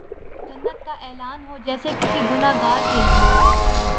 جنت کا اعلان ہو جیسے کسی گناہ گار کیلئے